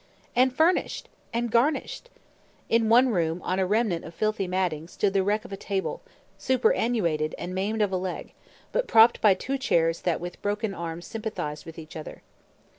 And furnished! and garnished! In one room, on a remnant of filthy matting, stood the wreck of a table, superannuated, and maimed of a leg, but propped by two chairs that with broken arms sympathized with each other.